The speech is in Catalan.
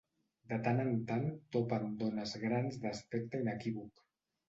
De tant en tant topa amb dones grans d'aspecte inequívoc.